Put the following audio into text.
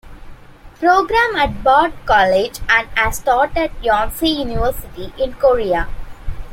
Program at Bard College and has taught at Yonsei University in Korea.